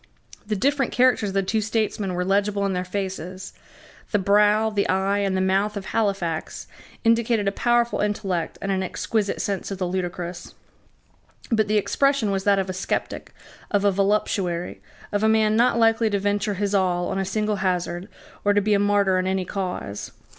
The different characters of the two statesmen were legible in their faces. The brow, the eye, and the mouth of Halifax indicated a powerful intellect and an exquisite sense of the ludicrous; but the expression was that of a sceptic, of a voluptuary, of a man not likely to venture his all on a single hazard, or to be a martyr in any cause.